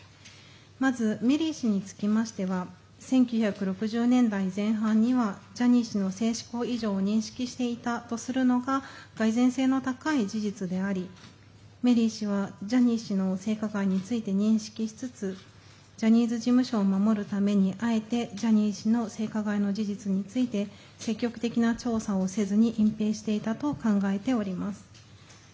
まずメリー氏につきましては１９６０年代前半にはジャニー氏の性嗜好異常を認識していたというのが蓋然性の高い事実でありメリー氏はジャニー氏の性加害について認識しつつジャニーズ事務所を守るためにあえてジャニー氏の性加害の事実について積極的な調査をせずに隠ぺいしていたと考えております。